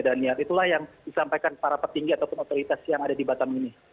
dan itulah yang disampaikan para petinggi ataupun otoritas yang ada di batam ini